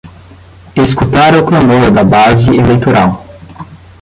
Escutara o clamor da base eleitoral